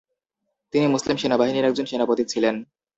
তিনি মুসলিম সেনাবাহিনীর একজন সেনাপতি ছিলেন।